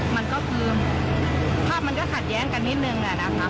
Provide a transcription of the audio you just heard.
มันก็คือภาพมันก็ขัดแย้งกันนิดนึงแหละนะคะ